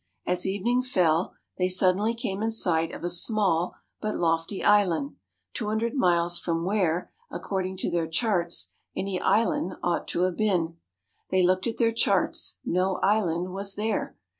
As evening fell, they suddenly came in sight of a small but lofty island, two hundred miles from where, according to their charts, any island ought to have been. They looked at their charts; no island was there.